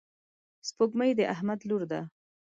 سپوږمۍ د احمد لور ده.